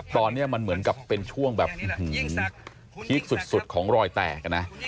ตอนนี้มันเหมือนกับเป็นช่วงแบบพีคสุดของรอยแตกนะ